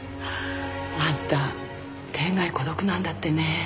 あんた天涯孤独なんだってね。